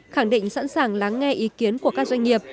khẳng định sẵn sàng lắng nghe ý kiến của các doanh nghiệp